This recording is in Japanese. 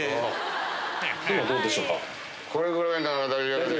・今どうでしょうか？